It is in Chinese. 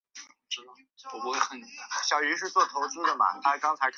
这种规则被称为酱油同盟。